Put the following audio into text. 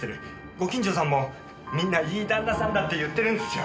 ご近所さんもみんないい旦那さんだって言ってるんですよ。